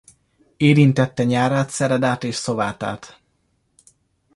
Érintette Nyárádszeredát és Szovátát.